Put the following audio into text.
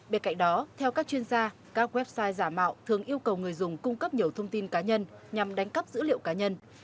bên cạnh đó theo các chuyên gia các website giả mạo thường yêu cầu người dùng cung cấp nhiều thông tin cá nhân nhằm đánh cắp dữ liệu cá nhân